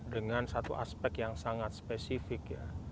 dengan satu aspek yang sangat spesifik ya